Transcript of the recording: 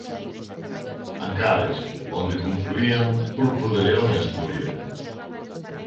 Ancares onde confluían grupos de León e Asturias.